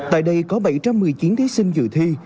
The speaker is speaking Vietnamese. tại đây có bảy trăm một mươi chín thí sinh dự thi